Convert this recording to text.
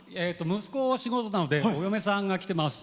息子は仕事なのでお嫁さんが来ています。